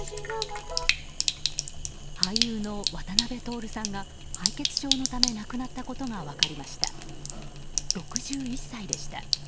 俳優の渡辺徹さんが敗血症のため亡くなったことが分かりました。